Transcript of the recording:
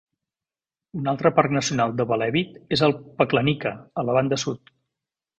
Un altre parc nacional de Velebit és el Paklenica, a la banda sud.